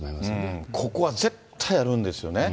ここは絶対あるんですよね。